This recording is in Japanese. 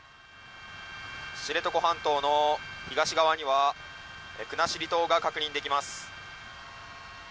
知床半島の東側には国後島が確認できます。